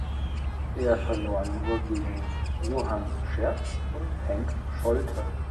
Er verlor nur gegen Johann Scherz und Henk Scholte.